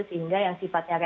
sehingga yang sifatnya reksa